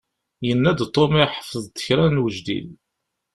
Yenna-d Tom iḥfeḍ-d kra n wejdid.